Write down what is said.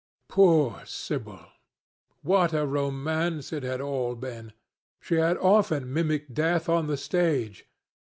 Poor Sibyl! What a romance it had all been! She had often mimicked death on the stage.